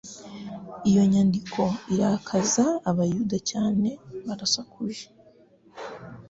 Iyo nyandiko irakaza abayuda cyane. Barasakuje,